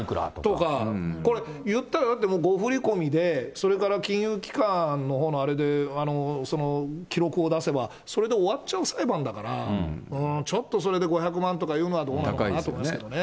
これ言ったら、もう誤振り込みで、それから金融機関のほうのあれで、記録を出せば、それで終わっちゃう裁判だから、ちょっとそれで５００万とかいうのはどうなのかなと思いますね。